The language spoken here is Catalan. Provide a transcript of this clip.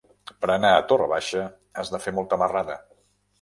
Per anar a Torre Baixa has de fer molta marrada.